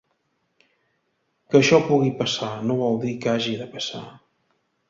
Que això pugui passar no vol dir que hagi de passar.